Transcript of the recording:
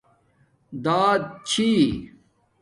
داعات چھݵ